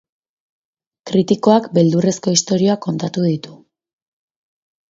Kritikoak beldurrezko istorioak kontatu ditu.